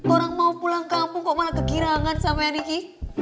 orang mau pulang kampung kok malah kegirangan sama eniki